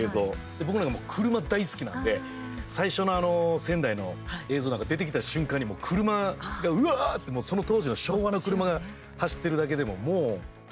僕なんかも車、大好きなんで最初の、あの仙台の映像なんか出てきた瞬間にもう車がうわーってもうその当時の昭和の車が走ってるだけでももうくぎづけなるんですよね。